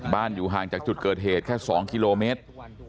อยู่ห่างจากจุดเกิดเหตุแค่๒กิโลเมตร